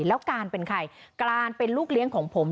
แล้วการเป็นใครการเป็นลูกเลี้ยงของผม